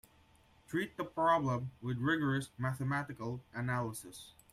Treat the problem with rigorous mathematical analysis.